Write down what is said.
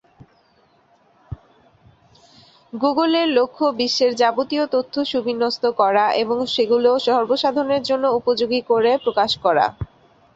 গুগলের লক্ষ্য "বিশ্বের যাবতীয় তথ্য সুবিন্যস্ত করা এবং সেগুলো সর্বসাধারণের জন্য উপযোগী করে প্রকাশ করা।"